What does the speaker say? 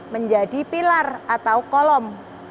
menjadi pilar atau kolom